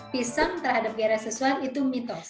pisang terhadap gairah seksual itu mitos